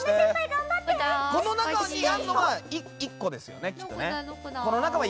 この中にあるのは１個ですよね。